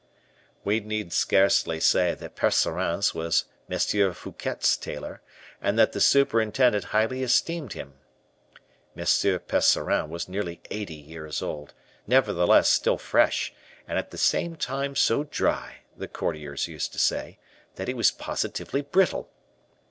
We need scarcely say that Percerin was M. Fouquet's tailor, and that the superintendent highly esteemed him. M. Percerin was nearly eighty years old, nevertheless still fresh, and at the same time so dry, the courtiers used to say, that he was positively brittle.